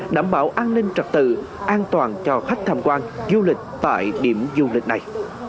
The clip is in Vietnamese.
đảm bảo an ninh trật tự an toàn cho khách tham quan du lịch tại điểm du lịch này